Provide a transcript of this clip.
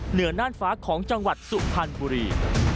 เหนือนานฝาของจังหวัดสุพันธ์บุรี